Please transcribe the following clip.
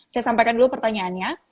saya sampaikan dulu pertanyaannya